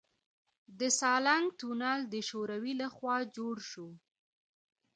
د سالنګ تونل د شوروي لخوا جوړ شو